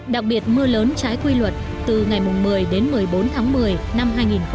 đặc biệt mưa lớn trái quy luật từ ngày một mươi đến một mươi bốn tháng một mươi năm hai nghìn một mươi tám